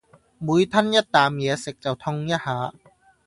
每吞一啖嘢食就痛一下